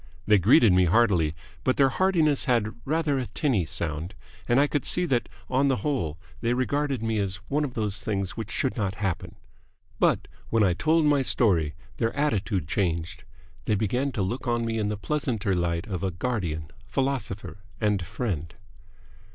They greeted me heartily, but their heartiness had rather a tinny sound, and I could see that on the whole they regarded me as one of those things which should not happen. But when I told my story their attitude changed. They began to look on me in the pleasanter light of a guardian, philosopher, and friend.